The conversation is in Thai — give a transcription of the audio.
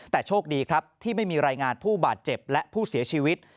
แต่โชคดีครับที่ไม่มีรายงานผู้บาดเจ็บและผู้เสียชีวิต